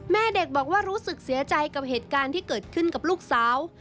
แม่เด็กบอกว่ารู้สึกเสียใจกับเหตุการณ์ที่เกิดขึ้นกับลูกสาว